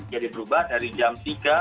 jadi berubah dari jam tiga